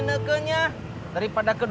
mulainya lagi h dalej